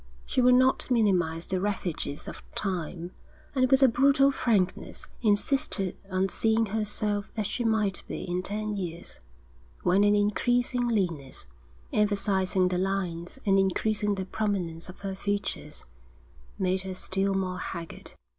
She would not minimise the ravages of time, and with a brutal frankness insisted on seeing herself as she might be in ten years, when an increasing leanness, emphasising the lines and increasing the prominence of her features, made her still more haggard.